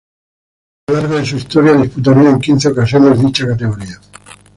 A lo largo de su historia disputaría en quince ocasiones dicha categoría.